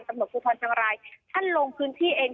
ตำรวจภูทรเชียงรายท่านลงพื้นที่เอง